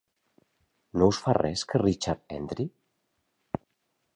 No us fa res que Richard entri?